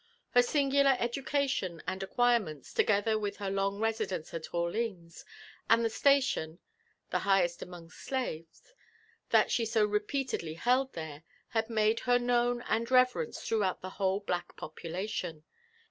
Her singulareducalion and acquirements, together with her long residence at Orleans, andlhe station (the highest amongst slaves] that she so repeatedly held there, had made her known and reve renced throughout the whole black population.